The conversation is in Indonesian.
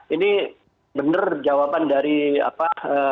ini benar jawaban dari apa